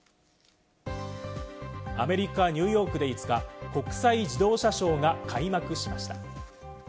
アメリカ・ニューヨークで５日、国際自動車ショーが開幕しました。